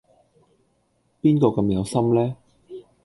邊個咁有心呢？